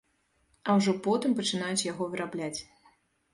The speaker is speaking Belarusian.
А ўжо потым пачынаюць яго вырабляць.